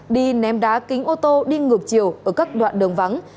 đi ném đá kính ô tô đi ngược chiều ở các đoạn đường vắng